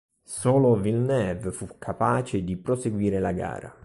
Solo Villeneuve fu capace di proseguire la gara.